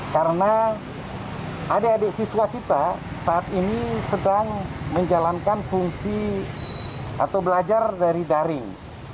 karena adik adik siswa kita saat ini sedang menjalankan fungsi atau belajar dari daring